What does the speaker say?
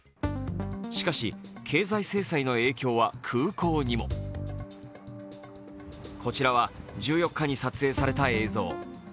しかし、経済制裁の影響は空港にもこちらは１４日に撮影された映像。